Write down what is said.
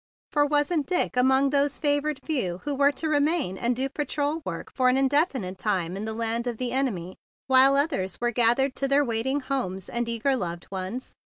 For was not Dick among those favored few who were to remain and do patrol work for an in¬ definite time in the land of the enemy, while others were gathered to their wait¬ ing homes and eager loved ones?